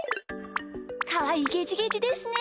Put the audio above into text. かわいいゲジゲジですね。